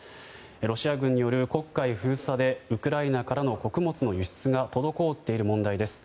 ロシア軍による黒海封鎖でウクライナからの穀物の輸出が滞っている問題です。